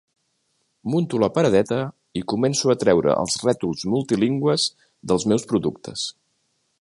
Munto la paradeta i començo a treure els rètols multilingües dels meus productes.